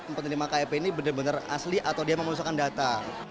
penerima kip ini benar benar asli atau dia memusakkan data